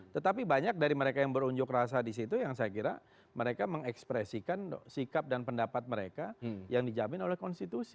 tetapi banyak dari mereka yang berunjuk rasa disitu yang saya kira mereka mengekspresikan sikap dan pendapat mereka yang dijamin oleh konstitusi